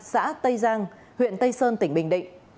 xã tây giang huyện tây sơn tỉnh bình định